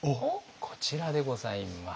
こちらでございます。